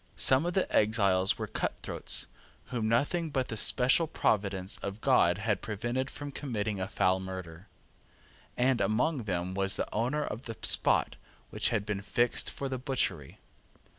Some of the exiles were cutthroats, whom nothing but the special providence of God had prevented from committing a foul murder; and among them was the owner of the spot which had been fixed for the butchery.